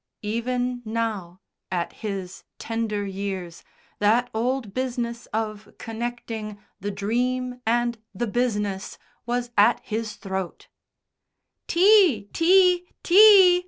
Even now, at his tender years, that old business of connecting the Dream and the Business was at his throat. "Teal Tea! Tea!"